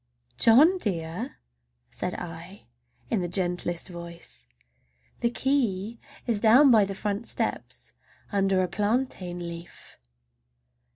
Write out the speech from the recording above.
"John dear!" said I in the gentlest voice, "the key is down by the front steps, under a plantain leaf!"